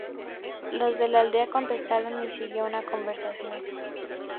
Los de la aldea contestaron y siguió una conversación.